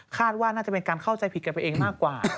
ว่าน่าจะเป็นการเข้าใจผิดกันไปเองมากกว่า